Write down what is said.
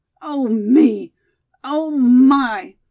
Oh, me! oh, my!